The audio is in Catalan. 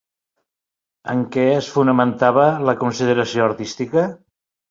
En què es fonamentava la consideració artística?